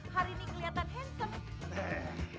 waalaikumsalam plis plis sama duk